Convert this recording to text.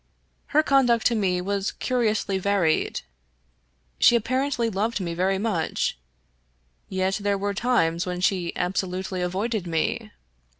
Her conduct to me was curi ously varied. She apparently loved me very much, yet there were times when she absolutely avoided me.